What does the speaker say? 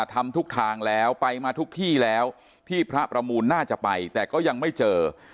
ทำทุกทางแล้วไปมาทุกที่แล้วที่พระประมูลน่าจะไปแต่ก็ยังไม่เจอ